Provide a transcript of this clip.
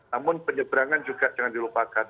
namun penyebrangan juga jangan dilupakan